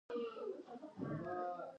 آیا واګه بندر افغانستان ته خلاص دی؟